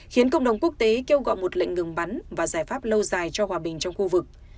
khiến cộng đồng quốc tế kêu gọi một lệnh ngừng bắn và giải pháp lâu dài cho hòa bình trong khu vực